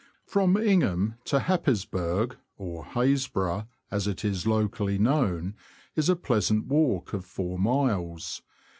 From Ingham to Happisburgh, or Hasbro', as it is locally known, is a pleasant walk of four miles.